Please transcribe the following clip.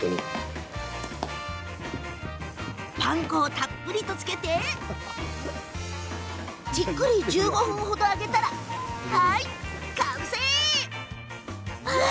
パン粉をたっぷりとつけてじっくり１５分程揚げたら完成。